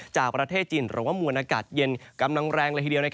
จากประเทศจีนหรือว่ามวลอากาศเย็นกำลังแรงเลยทีเดียว